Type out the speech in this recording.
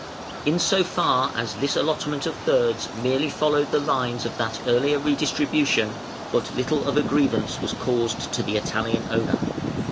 In so far as this allotment of Thirds merely followed the lines of that earlier redistribution, but little of a grievance was caused to the Italian owner.